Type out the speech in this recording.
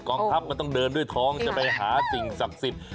องทัพก็ต้องเดินด้วยท้องจะไปหาสิ่งศักดิ์สิทธิ์